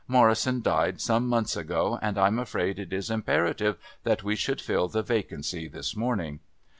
"Morrison died some months ago, and I'm afraid it is imperative that we should fill the vacancy this morning."